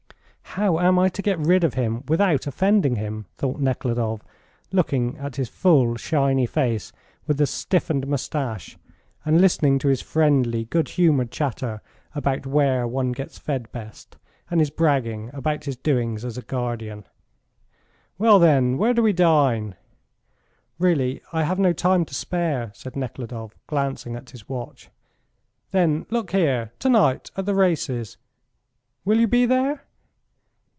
"How am I to get rid of him without offending him?" thought Nekhludoff, looking at this full, shiny face with the stiffened moustache and listening to his friendly, good humoured chatter about where one gets fed best, and his bragging about his doings as a guardian. "Well, then, where do we dine?" "Really, I have no time to spare," said Nekhludoff, glancing at his watch. "Then, look here. To night, at the races will you be there?"